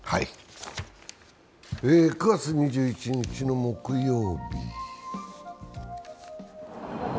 ９月２１日の木曜日。